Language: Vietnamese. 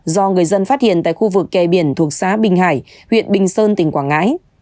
do người dân phát hiện tại khu vực kè biển thuộc xã bình hải huyện bình sơn tỉnh quảng ngãi